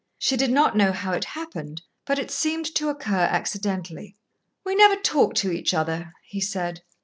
She did not know how it happened, but it seemed to occur accidentally. "We never talk to each other," he said.